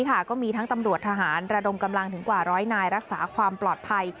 ก็มีทั้งตำรวจทหารระดมกำลังถึงกว่าร้อยนายรักษาความปลอดภัย